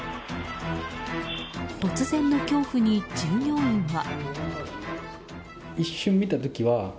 突然の恐怖に従業員は。